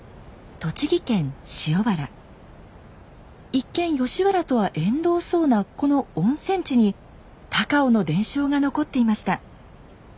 一見吉原とは縁遠そうなこの温泉地に高尾の伝承が残っていました。